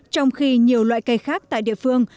trong khi nhiều loại cây khác tại địa phương